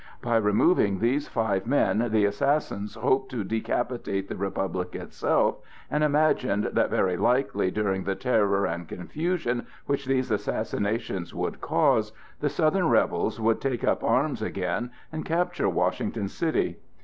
By removing these five men the assassins hoped to decapitate the republic itself and imagined that very likely during the terror and confusion which these assassinations would cause, the Southern rebels would take up arms again and capture Washington city.